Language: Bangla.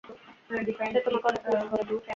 সে তোমাকে অনেক মিস করে।